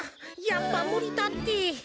やっぱむりだって。